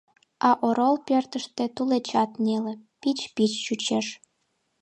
А орол пӧртыштӧ тулечат неле, пич-пич чучеш.